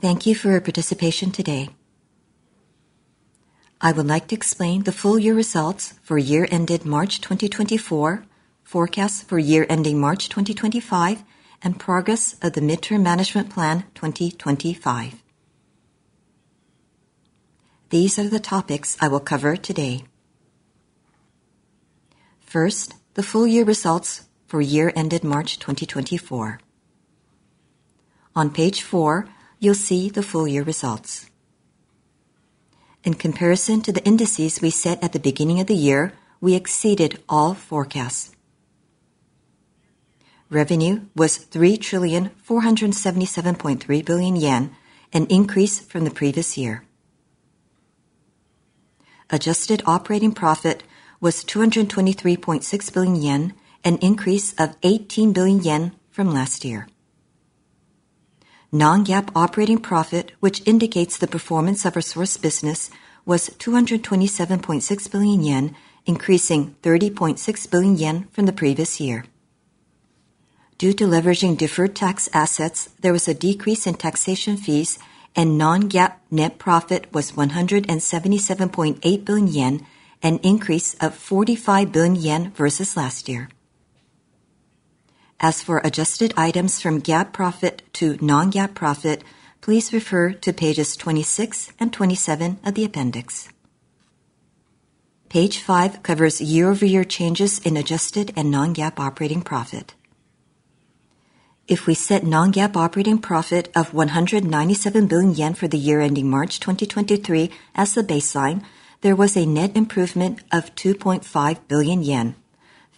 Thank you for your participation today. I would like to explain the full year results for year-ended March 2024, forecast for year-ending March 2025, and progress of the Midterm Management Plan 2025. These are the topics I will cover today. First, the full year results for year-ended March 2024. On page 4, you'll see the full year results. In comparison to the indices we set at the beginning of the year, we exceeded all forecasts. Revenue was 3,477.3 billion yen, an increase from the previous year. Adjusted operating profit was 223.6 billion yen, an increase of 18 billion yen from last year. Non-GAAP operating profit, which indicates the performance of our source business, was 227.6 billion yen, increasing 30.6 billion yen from the previous year. Due to leveraging deferred tax assets, there was a decrease in taxation fees, and non-GAAP net profit was 177.8 billion yen, an increase of 45 billion yen versus last year. As for adjusted items from GAAP profit to non-GAAP profit, please refer to pages 26 and 27 of the appendix. Page 5 covers year-over-year changes in adjusted and non-GAAP operating profit. If we set non-GAAP operating profit of 197 billion yen for the year-ending March 2023 as the baseline, there was a net improvement of 2.5 billion yen.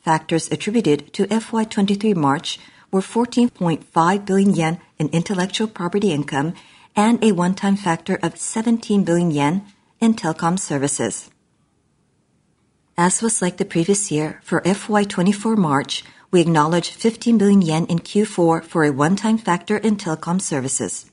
Factors attributed to FY23 March were 14.5 billion yen in intellectual property income and a one-time factor of 17 billion yen in telecom services. As was like the previous year, for FY24 March, we acknowledged 15 billion yen in Q4 for a one-time factor in telecom services.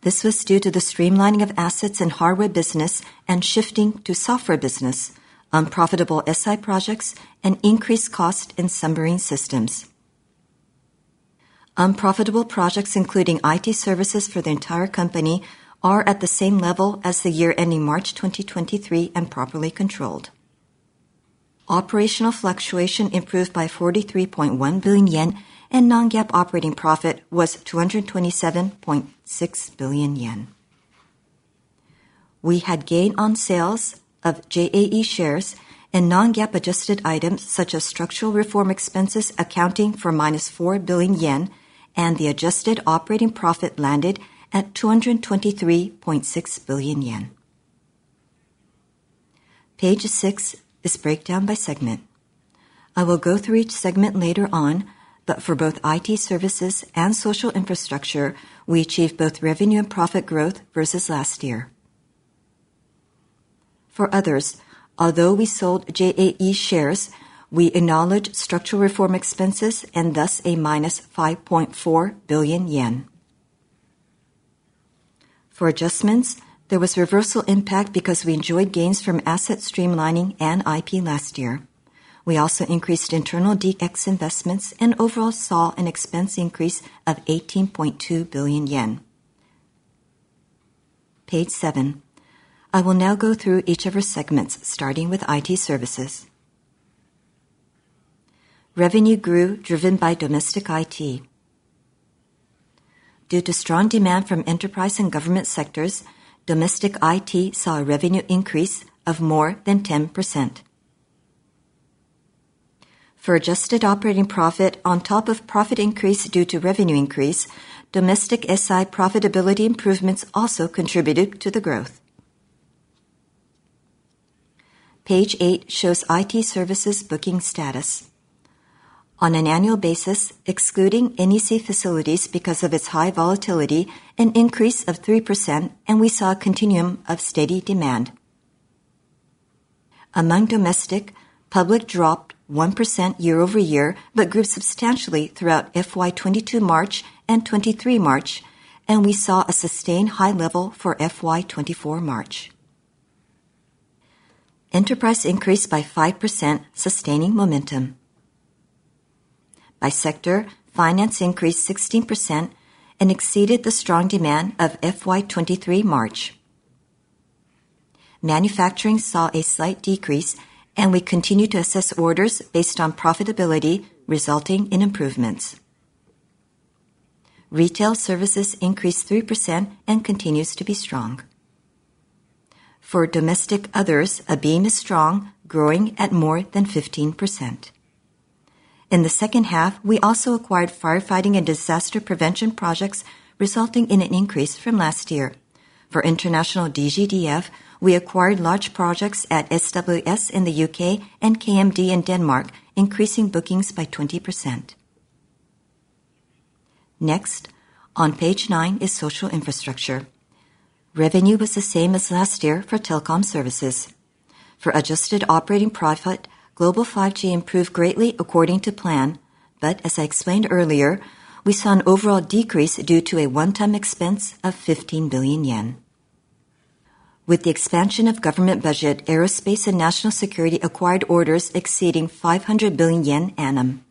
This was due to the streamlining of assets in hardware business and shifting to software business, unprofitable SI projects, and increased cost in submarine systems. Unprofitable projects, including IT services for the entire company, are at the same level as the year-ending March 2023 and properly controlled. Operational fluctuation improved by 43.1 billion yen, and non-GAAP operating profit was 227.6 billion yen. We had gain on sales of JAE shares and non-GAAP adjusted items, such as structural reform expenses, accounting for -4 billion yen, and the adjusted operating profit landed at 223.6 billion yen. Page 6 is breakdown by segment. I will go through each segment later on, but for both IT services and social infrastructure, we achieved both revenue and profit growth versus last year. For others, although we sold JAE shares, we acknowledged structural reform expenses and thus -5.4 billion yen. For adjustments, there was reversal impact because we enjoyed gains from asset streamlining and IP last year. We also increased internal DX investments and overall saw an expense increase of 18.2 billion yen. Page 7, I will now go through each of our segments, starting with IT services. Revenue grew driven by domestic IT. Due to strong demand from enterprise and government sectors, domestic IT saw a revenue increase of more than 10%. For adjusted operating profit, on top of profit increase due to revenue increase, domestic SI profitability improvements also contributed to the growth. Page 8 shows IT services booking status. On an annual basis, excluding NEC Facilities because of its high volatility, an increase of 3%, and we saw a continuum of steady demand. Among domestic, public dropped 1% year-over-year but grew substantially throughout FY2022 March and 2023 March, and we saw a sustained high level for FY2024 March. Enterprise increased by 5%, sustaining momentum. By sector, finance increased 16% and exceeded the strong demand of FY2023 March. Manufacturing saw a slight decrease, and we continue to assess orders based on profitability, resulting in improvements. Retail services increased 3% and continues to be strong. For domestic others, ABeam is strong, growing at more than 15%. In the second half, we also acquired firefighting and disaster prevention projects, resulting in an increase from last year. For international DGDF, we acquired large projects at SWS in the U.K. and KMD in Denmark, increasing bookings by 20%. Next, on page 9 is social infrastructure. Revenue was the same as last year for telecom services. For adjusted operating profit, global 5G improved greatly according to plan, but as I explained earlier, we saw an overall decrease due to a one-time expense of 15 billion yen. With the expansion of government budget, aerospace and national security acquired orders exceeding 500 billion yen annum.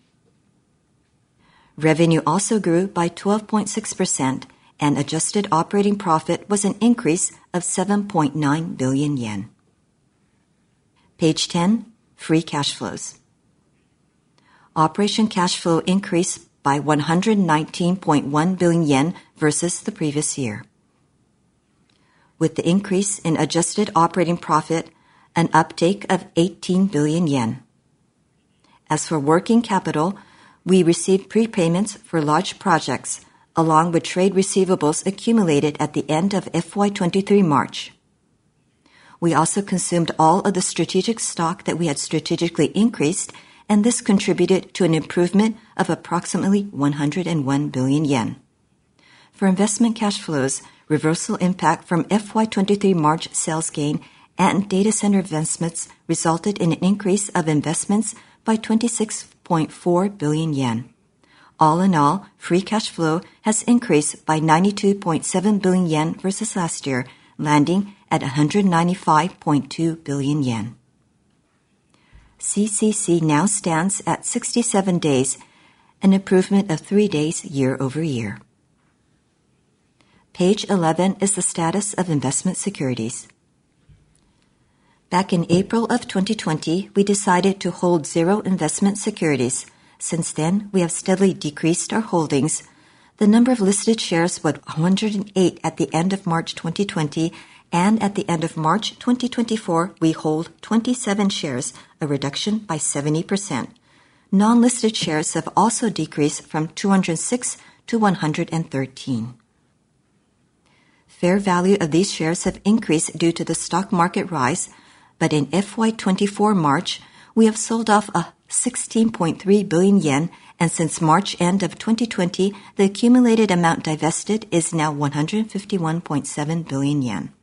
Revenue also grew by 12.6%, and adjusted operating profit was an increase of 7.9 billion yen. Page 10, free cash flows. Operating cash flow increased by 119.1 billion yen versus the previous year. With the increase in adjusted operating profit, an uptake of 18 billion yen. As for working capital, we received prepayments for large projects along with trade receivables accumulated at the end of FY 2023 March. We also consumed all of the strategic stock that we had strategically increased, and this contributed to an improvement of approximately 101 billion yen. For investment cash flows, reversal impact from FY23 March sales gain and data center investments resulted in an increase of investments by 26.4 billion yen. All in all, free cash flow has increased by 92.7 billion yen versus last year, landing at 195.2 billion yen. CCC now stands at 67 days, an improvement of three days year-over-year. Page 11 is the status of investment securities. Back in April of 2020, we decided to hold zero investment securities. Since then, we have steadily decreased our holdings. The number of listed shares was 108 at the end of March 2020, and at the end of March 2024, we hold 27 shares, a reduction by 70%. Non-listed shares have also decreased from 206-113. Fair value of these shares has increased due to the stock market rise, but in FY 2024 March, we have sold off 16.3 billion yen, and since March end of 2020, the accumulated amount divested is now 151.7 billion yen.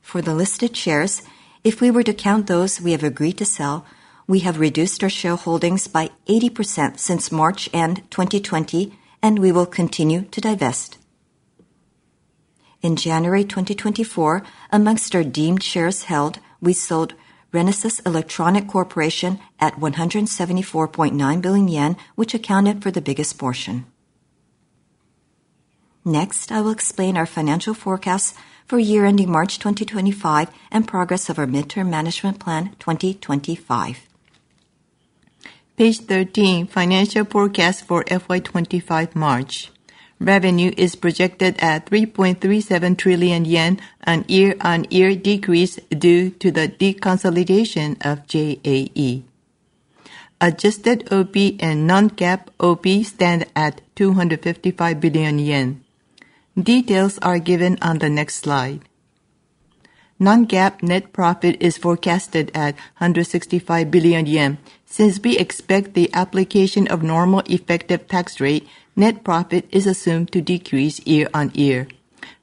For the listed shares, if we were to count those we have agreed to sell, we have reduced our shareholdings by 80% since March end 2020, and we will continue to divest. In January 2024, among our deemed shares held, we sold Renesas Electronics Corporation at 174.9 billion yen, which accounted for the biggest portion. Next, I will explain our financial forecasts for year-ending March 2025 and progress of our Midterm Management Plan 2025. Page 13, financial forecast for FY25 March. Revenue is projected at 3.37 trillion yen, a year-on-year decrease due to the deconsolidation of JAE. Adjusted OP and non-GAAP OP stand at 255 billion yen. Details are given on the next slide. Non-GAAP net profit is forecasted at 165 billion yen. Since we expect the application of normal effective tax rate, net profit is assumed to decrease year-on-year.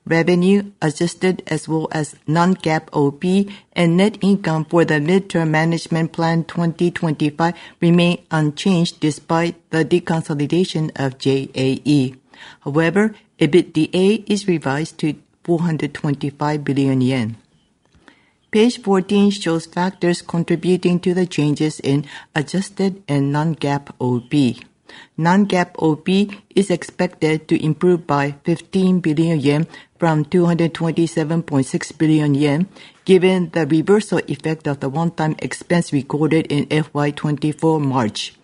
Revenue, adjusted, as well as non-GAAP OP and net income for the Midterm Management Plan 2025 remain unchanged despite the deconsolidation of JAE. However, EBITDA is revised to 425 billion yen. Page 14 shows factors contributing to the changes in adjusted and non-GAAP OP. Non-GAAP OP is expected to improve by 15 billion yen from 227.6 billion yen, given the reversal effect of the one-time expense recorded in FY24 March.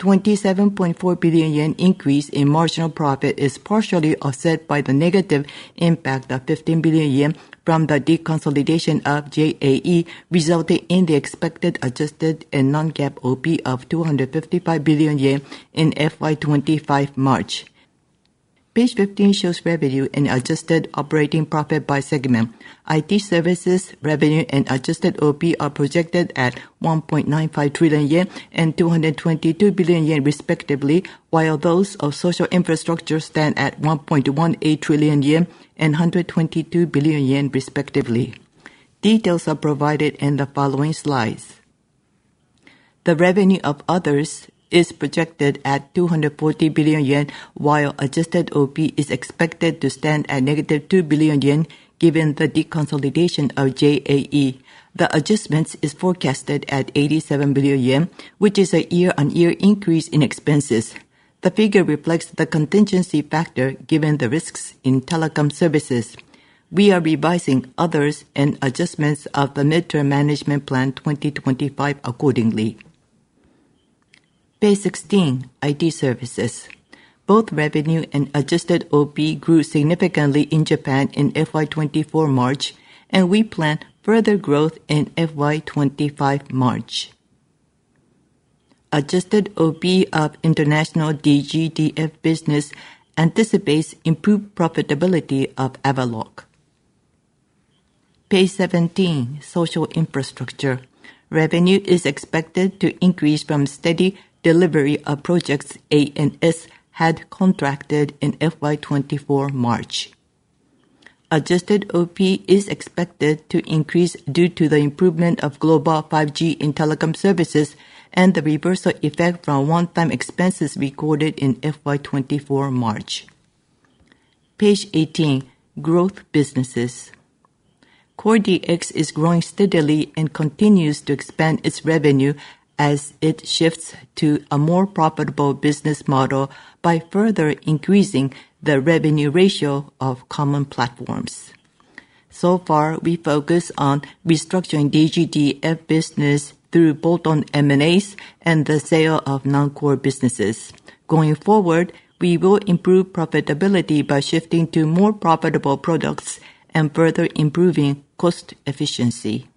A 27.4 billion yen increase in marginal profit is partially offset by the negative impact of 15 billion yen from the deconsolidation of JAE, resulting in the expected adjusted and non-GAAP OP of 255 billion yen in FY25 March. Page 15 shows revenue and adjusted operating profit by segment. IT services, revenue, and adjusted OP are projected at 1.95 trillion yen and 222 billion yen, respectively, while those of social infrastructure stand at 1.18 trillion yen and 122 billion yen, respectively. Details are provided in the following slides. The revenue of others is projected at JPY 240 billion, while adjusted OP is expected to stand at JPY -2 billion, given the deconsolidation of JAE. The adjustments are forecasted at 87 billion yen, which is a year-on-year increase in expenses. The figure reflects the contingency factor given the risks in telecom services. We are revising others and adjustments of the Midterm Management Plan 2025 accordingly. Page 16, IT services. Both revenue and adjusted operating profit grew significantly in Japan in FY24 March, and we plan further growth in FY25 March. Adjusted operating profit of international DGDF business anticipates improved profitability of Avaloq. Page 17, social infrastructure. Revenue is expected to increase from steady delivery of projects ANS had contracted in FY24 March. Adjusted operating profit is expected to increase due to the improvement of global 5G in telecom services and the reversal effect from one-time expenses recorded in FY24 March. Page 18, growth businesses. Core DX is growing steadily and continues to expand its revenue as it shifts to a more profitable business model by further increasing the revenue ratio of common platforms. So far, we focus on restructuring DGDF business through bolt-on M&As and the sale of non-core businesses. Going forward, we will improve profitability by shifting to more profitable products and further improving cost efficiency.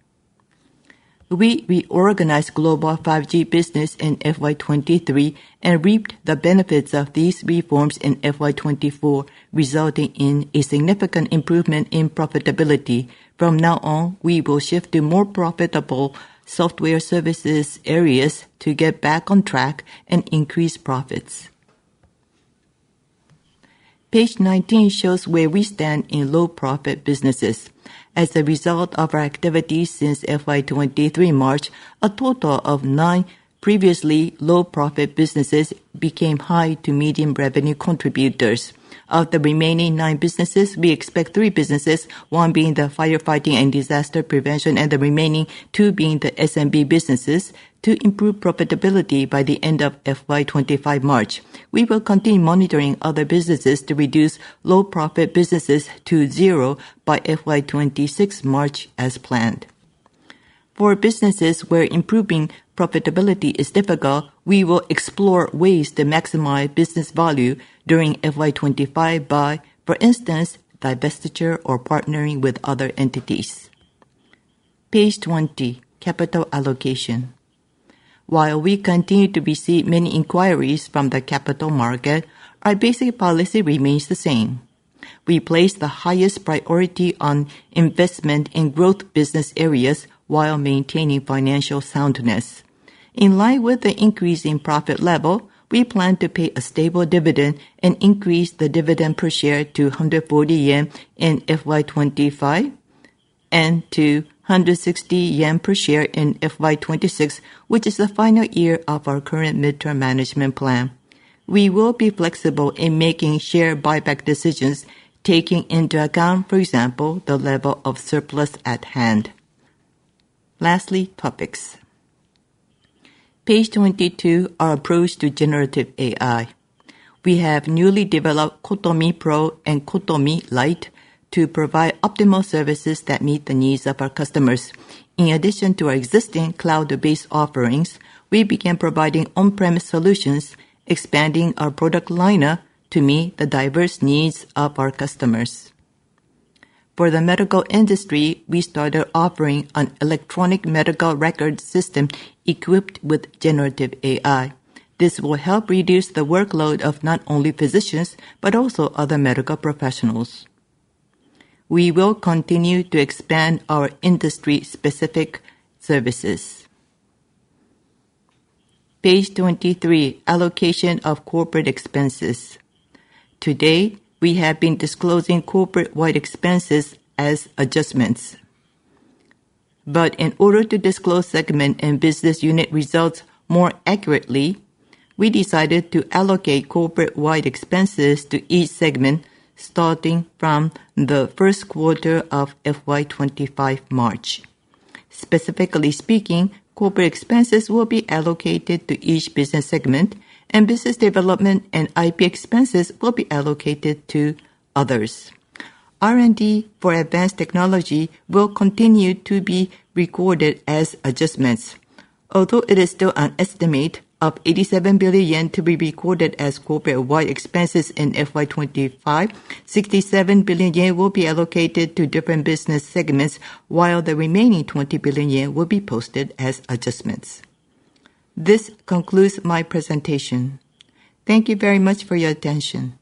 We reorganized global 5G business in FY23 and reaped the benefits of these reforms in FY24, resulting in a significant improvement in profitability. From now on, we will shift to more profitable software services areas to get back on track and increase profits. Page 19 shows where we stand in low-profit businesses. As a result of our activities since FY23 March, a total of nine previously low-profit businesses became high-to-medium revenue contributors. Of the remaining nine businesses, we expect three businesses, one being the firefighting and disaster prevention and the remaining two being the SMB businesses, to improve profitability by the end of FY25 March. We will continue monitoring other businesses to reduce low-profit businesses to zero by FY26 March as planned. For businesses where improving profitability is difficult, we will explore ways to maximize business value during FY25 by, for instance, divestiture or partnering with other entities. Page 20, capital allocation. While we continue to receive many inquiries from the capital market, our basic policy remains the same. We place the highest priority on investment and growth business areas while maintaining financial soundness. In line with the increase in profit level, we plan to pay a stable dividend and increase the dividend per share to 140 yen in FY25 and to 160 yen per share in FY26, which is the final year of our current Midterm Management Plan. We will be flexible in making share buyback decisions, taking into account, for example, the level of surplus at hand. Lastly, topics. Page 22, our approach to generative AI. We have newly developed cotomi Pro and cotomi Lite to provide optimal services that meet the needs of our customers. In addition to our existing cloud-based offerings, we began providing on-premise solutions, expanding our product lineup to meet the diverse needs of our customers. For the medical industry, we started offering an electronic medical record system equipped with generative AI. This will help reduce the workload of not only physicians but also other medical professionals. We will continue to expand our industry-specific services. Page 23, allocation of corporate expenses. Today, we have been disclosing corporate-wide expenses as adjustments. But in order to disclose segment and business unit results more accurately, we decided to allocate corporate-wide expenses to each segment starting from the first quarter of FY25 March. Specifically speaking, corporate expenses will be allocated to each business segment, and business development and IP expenses will be allocated to others. R&D for advanced technology will continue to be recorded as adjustments. Although it is still an estimate of 87 billion yen to be recorded as corporate-wide expenses in FY25, 67 billion yen will be allocated to different business segments, while the remaining 20 billion yen will be posted as adjustments. This concludes my presentation. Thank you very much for your attention.